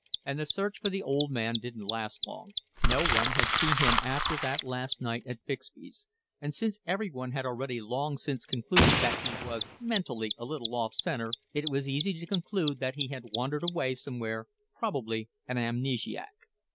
And the search for the old man didn't last long; no one had seen him after that last night at Bixby's, and, since everyone had already long since concluded that he was mentally a little off center, it was easy to conclude that he had wandered away somewhere, probably an amnesiac.